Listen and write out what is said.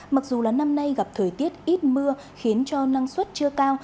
mặc dù là năm nay gặp thời tiết ít mưa khiến cho năng suất chưa cao